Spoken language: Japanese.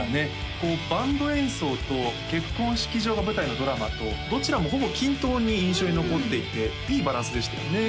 こうバンド演奏と結婚式場が舞台のドラマとどちらもほぼ均等に印象に残っていていいバランスでしたよね